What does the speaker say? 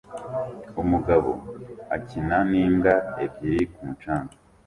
Umugabo akina n'imbwa ebyiri ku mucanga